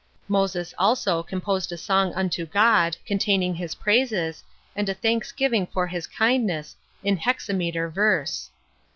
31 Moses also composed a song unto God, containing his praises, and a thanksgiving for his kindness, in hexameter verse.